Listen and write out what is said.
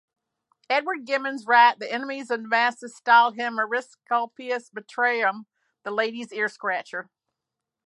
Edward Gibbon writes, "The enemies of Damasus styled him "Auriscalpius Matronarum," the ladies' ear-scratcher.